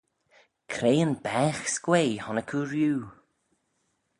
Cre yn baagh s'quaaee honnick oo rieau?